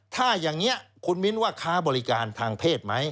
ถ้าอย่างนี้คุณมิ้นว่าค้าบริการทางเพศไหม